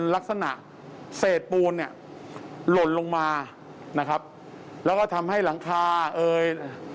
ลักษณะเศษปูนเนี่ยหล่นลงมานะครับแล้วก็ทำให้หลังคาเอ่ย